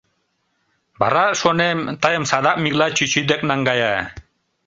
Вара, шонем, тыйым садак Миклай чӱчӱ дек наҥгая.